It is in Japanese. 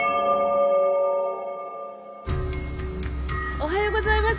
・おはようございます。